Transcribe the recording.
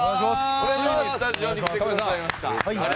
ついにスタジオに来てくださいました。